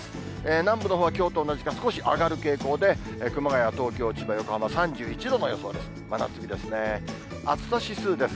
南部のほうはきょうと同じか、少し上がる傾向で、熊谷、東京、千葉、横浜３１度の予想です。